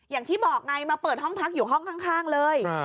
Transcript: อย่างที่บอกไงมาเปิดห้องพักอยู่ห้องข้างเลย